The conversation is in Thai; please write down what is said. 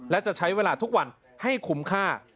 และจะใช้เวลาทุกวันให้คุ้มค่า